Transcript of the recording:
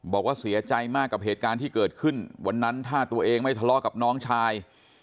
บอกว่าเสียใจมากกับเหตุการณ์ที่เกิดขึ้นวันนั้นถ้าตัวเองไม่ทะเลาะกับน้องชาย